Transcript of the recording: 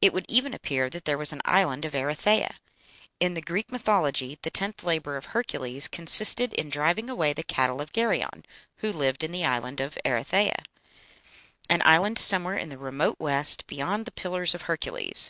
It would even appear that there was an island of Erythea. In the Greek mythology the tenth labor of Hercules consisted in driving away the cattle of Geryon, who lived in the island of Erythea, "an island somewhere in the remote west, beyond the Pillars of Hercules."